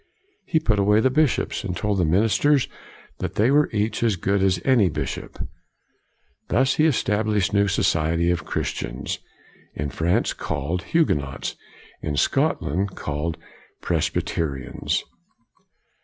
He put away the bish ops, and told the ministers that they were each as good as any bishop. Thus he established new societies of Christians; in France, called Huguenots; in Scotland, called Presbyterians.